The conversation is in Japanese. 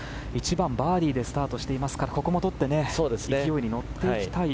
１番、バーディーでスタートしていますからここもとって勢いに乗っていきたい